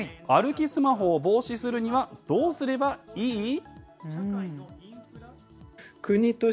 歩きスマホを防止するには、どうすればいい？